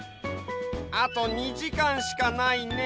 あと２じかんしかないね。